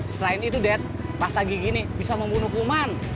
selain itu dad pasta gigi bisa membunuh kuman